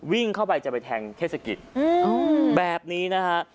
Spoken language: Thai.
วิ่งเข้าไปจะไปแทงเทศกิจ